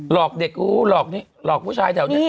หลอกเด็กอู่หลอกนี่หลอกผู้ชายเฉลี่ย